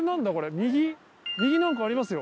右右なんかありますよ。